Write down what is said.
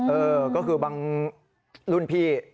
เออก็คือบางรุ่นพี่